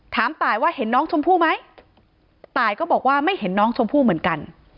ถามตายว่าเห็นน้องชมพู่ไหมตายก็บอกว่าไม่เห็นน้องชมพู่เหมือนกัน